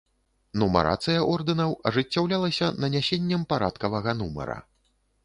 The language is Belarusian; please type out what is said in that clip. Нумарацыя ордэнаў ажыццяўлялася нанясеннем парадкавага нумара.